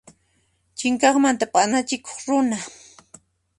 Chhiqaqmanta p'anachikuq runa.